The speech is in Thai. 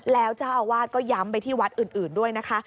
แล้วเจ้าอาวาสก็ย้ำไปที่วัดอื่นด้วยนะคะ